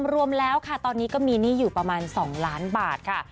รวมแล้วค่ะตอนนี้ก็มีหนี้อยู่ประมาณ๒ล้านบาทค่ะ